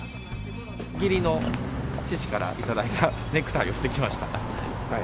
義理の父から頂いたネクタイをしてきました。